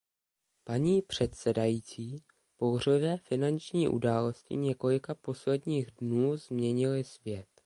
Paní předsedající, bouřlivé finanční události několika posledních dnů změnily svět.